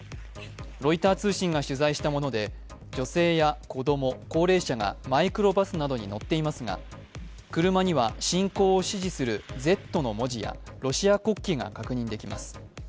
ロイター通信が取材したもので女性や子供、高齢者がマイクロバスなどに乗っていますが、車には侵攻を支持する「Ｚ」の文字やロシア国旗が確認できます。